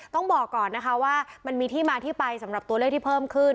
ต้องบอกก่อนนะคะว่ามันมีที่มาที่ไปสำหรับตัวเลขที่เพิ่มขึ้น